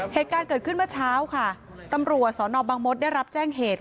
เหตุการณ์เกิดขึ้นเมื่อเช้าค่ะตำรวจสอนอบังมดได้รับแจ้งเหตุ